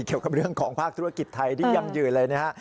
เกี่ยวกับเรื่องของภาคธุรกิจไทยที่ยั่งยืนเลยนะฮะ